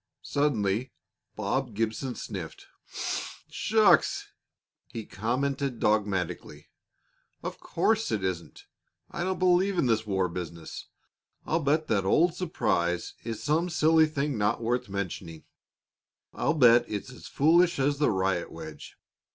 Suddenly Bob Gibson sniffed. "Shucks!" he commented dogmatically. "Of course it isn't. I don't believe in this war business. I'll bet that old surprise is some silly thing not worth mentioning. I'll bet it's as foolish as the riot wedge.